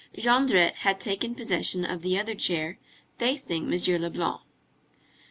Jondrette had taken possession of the other chair, facing M. Leblanc.